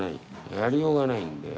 やりようがないんだよ。